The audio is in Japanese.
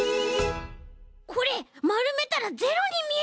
これまるめたら「０」にみえるかも！